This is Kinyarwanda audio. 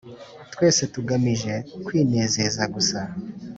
twese tugamije kwinezeza gusa